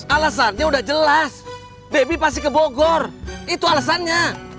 alasannya udah jelas baby pasti ke bogor itu alasannya